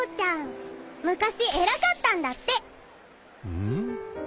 うん？